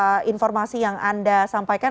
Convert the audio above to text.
terima kasih atas informasi yang anda sampaikan